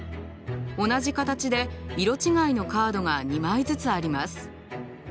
同じ形で色違いのカードが２枚ずつあります。